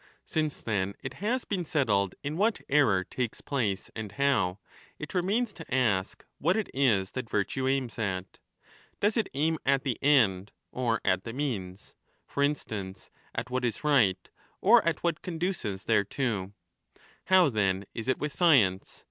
Since, then, it has been settled in what error takes place and how, it remains to ask what it is that virtue aims at. Does it aim at the end or at the means ; for instance, 10 at what is right or at what conduces thereto ? How, then, is it with science